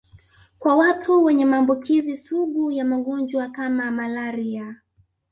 Kwa watu wenye maambukizi sugu ya magonjwa kama malaria